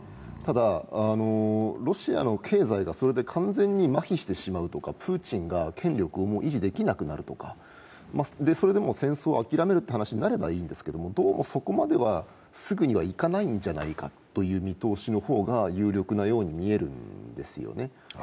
ただロシアの経済が、それで完全にまひしてしまうとかプーチンが権力をもう維持できなくなるとか、それで戦争を諦めるという話になればいいんですけどどうもそこまではすぐにはいかないのではないかという見通しの方が有力なように見えるんですよね。